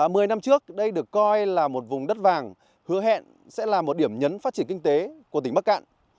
mười năm trước đây được coi là một vùng đất vàng hứa hẹn sẽ là một điểm nhấn phát triển kinh tế của tỉnh bắc cạn